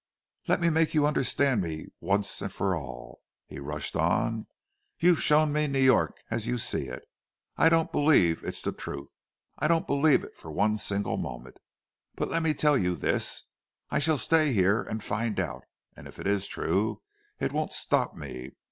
"Let me make you understand me once for all," he rushed on. "You've shown me New York as you see it. I don't believe it's the truth—I don't believe it for one single moment! But let me tell you this, I shall stay here and find out—and if it is true, it won't stop me!